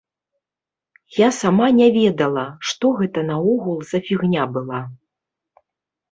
Я сама не ведала, што гэта наогул за фігня была.